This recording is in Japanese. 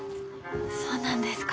そうなんですか。